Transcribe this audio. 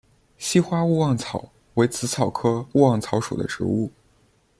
稀花勿忘草为紫草科勿忘草属的植物。